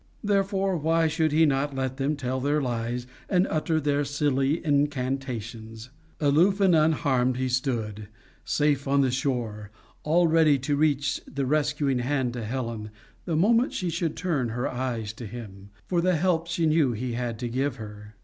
Therefore, why should he not let them tell their lies and utter their silly incantations? Aloof and unharmed he stood, safe on the shore, all ready to reach the rescuing hand to Helen, the moment she should turn her eyes to him, for the help she knew he had to give her.